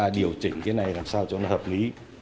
điều chỉnh cái này làm sao cho nó hợp lý